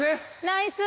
ナイス。